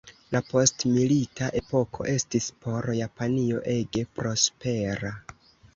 La postmilita epoko estis por Japanio ege prospera.